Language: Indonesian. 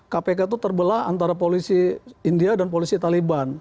kpk itu terbelah antara polisi india dan polisi taliban